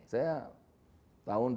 saya tahun dua ribu